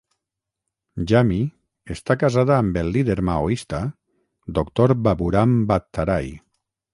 Yami està casada amb el líder maoista doctor Baburam Bhattarai.